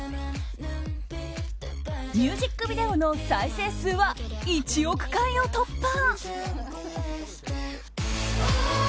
ミュージックビデオの再生数は１億回を突破。